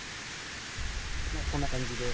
まあ、こんな感じで。